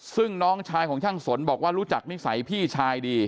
ซึ่งน้องชายของช่างสนบอกว่ารู้จักนิสัยพี่ชายดี